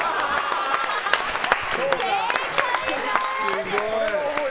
正解です！